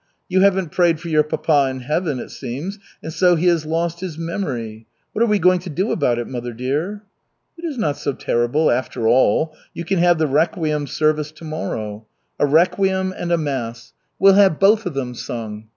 You haven't prayed for your papa in Heaven, it seems, and so he has lost his memory. What are we going to do about it, mother dear?" "It is not so terrible, after all. You can have the requiem service tomorrow. A requiem and a mass we'll have both of them sung.